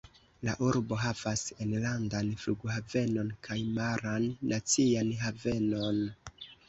La urbo havas enlandan flughavenon kaj maran nacian havenon.